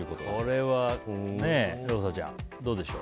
これは、ローサちゃんどうでしょう。